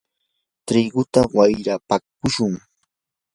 triguta wayrapakushun.